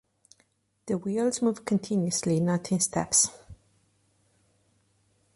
The wheels move continuously, not in steps.